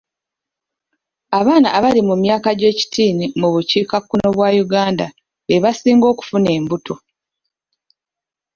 Abaana abali mu myaka gy'ekitiini mu bukiikakkono bwa Uganda be basinga okufuna enbuto.